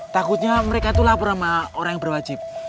takutnya mereka itu lapor sama orang yang berwajib